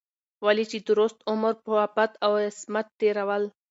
ولې چې درست عمر په عفت او عصمت تېرول